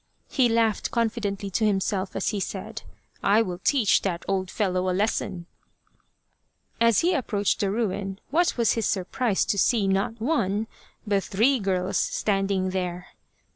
He laughed confidently to himself as he said :" I will teach the old fellow a lesson !" As he approached the ruin what was his surprise to see, not one, but three girls standing there.